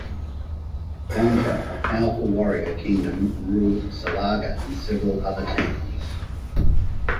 Gonja, a powerful warrior kingdom, ruled Salaga and several other towns.